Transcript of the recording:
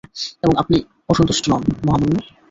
এবং, আপনি অসন্তস্টু নন, মহামান্য?